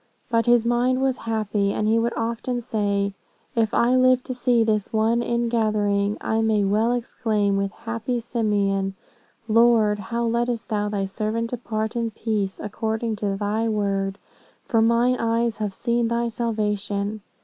But his mind was happy, and he would often say, 'If I live to see this one ingathering, I may well exclaim, with happy Simeon, Lord, now lettest thou thy servant depart in peace, according to thy word, for mine eyes have seen thy salvation.